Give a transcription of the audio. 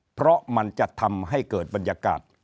เพราะมันจะทำให้เกิดบรรยากาศ